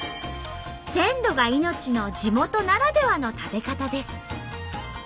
鮮度が命の地元ならではの食べ方です。